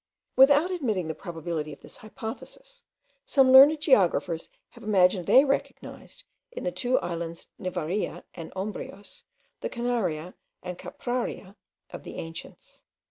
Without admitting the probability of this hypothesis, some learned geographers have imagined they recognized, in the two islands Nivaria and Ombrios, the Canaria and Capraria of the ancients.